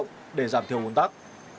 công cộng để giảm thiểu nguồn tắc